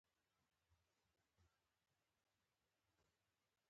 په دې خیال کې نه یو چې په هر ساعت کې.